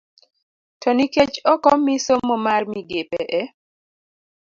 To nikech ok omi somo mar migepe e